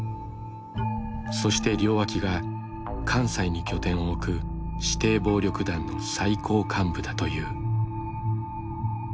そして両脇が関西に拠点を置く指定暴力団の最高幹部だという。